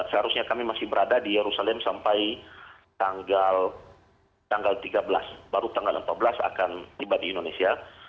seharusnya kami masih berada di yerusalem sampai tanggal tiga belas baru tanggal empat belas akan tiba di indonesia